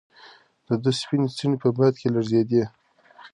د ده سپینې څڼې په باد کې لړزېدې.